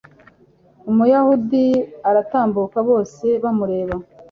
umuyahudi aratambuka bose bamureba